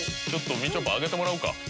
みちょぱ上げてもらうか。